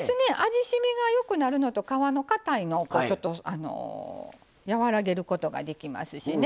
味しみがよくなるのと皮のかたいのをこうちょっと和らげることができますしね。